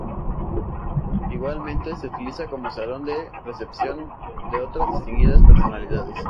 Igualmente, se utiliza como salón de recepción de otras distinguidas personalidades.